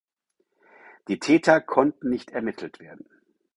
Die Täter konnten nicht ermittelt werden.